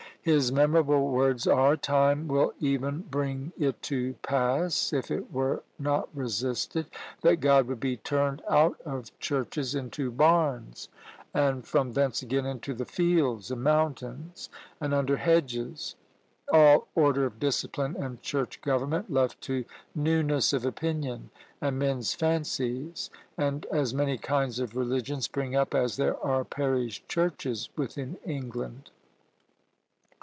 His memorable words are "Time will even bring it to pass, if it were not resisted, that God would be turned out of churches into barns, and from thence again into the fields and mountains, and under hedges all order of discipline and church government left to newness of opinion and men's fancies, and as many kinds of religion spring up as there are parish churches within England."